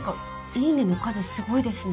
いいねの数すごいですね。